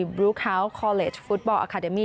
บลูเฮาวส์คอเลสฟุตบอลอาคาเดมี่